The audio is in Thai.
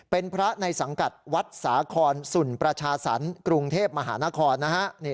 เป็นพระในสังกัดวัดสาครสุนประชาสรรค์กรุงเทพมหานครนะฮะ